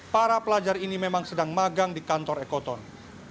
para pelajar ini memang sedang magang di kantornya